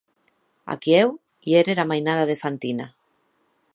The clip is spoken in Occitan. Aquiu i ère era mainada de Fantina.